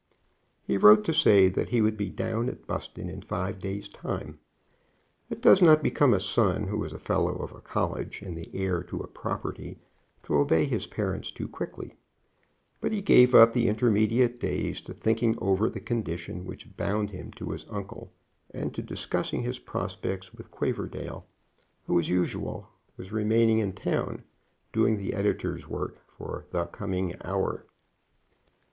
He wrote to say that he would be down at Buston in five days' time. It does not become a son who is a fellow of a college and the heir to a property to obey his parents too quickly. But he gave up the intermediate days to thinking over the condition which bound him to his uncle, and to discussing his prospects with Quaverdale, who, as usual, was remaining in town doing the editor's work for The Coming Hour.